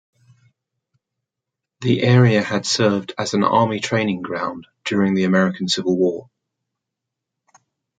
The area had served as an Army training ground during the American Civil War.